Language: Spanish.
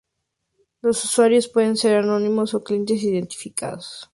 Los usuarios pueden ser anónimos o clientes identificados.